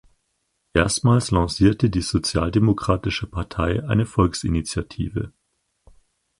Erstmals lancierte die Sozialdemokratische Partei eine Volksinitiative.